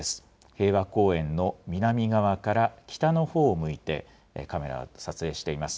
平和公園の南側から北のほうを向いてカメラを撮影しています。